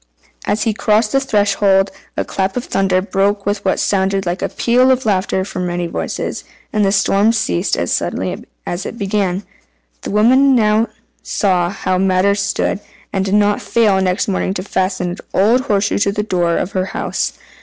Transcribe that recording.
As he crossed the threshold, a clap of thunder broke with what sounded like a peal of laughter from many voices, and then the storm ceased as suddenly as it had begun. The woman now saw how matters stood, and did not fail next morning to fasten an old horseshoe to the door of her house.